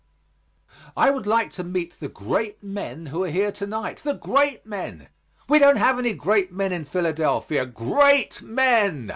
I would like to meet the great men who are here to night. The great men! We don't have any great men in Philadelphia. Great men!